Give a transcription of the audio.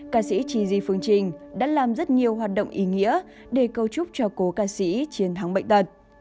ca sĩ chi di phương trình đã làm rất nhiều hoạt động ý nghĩa để cầu chúc cho cô ca sĩ chiến thắng bệnh tật